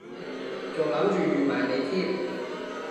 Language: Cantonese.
仲諗住預埋你添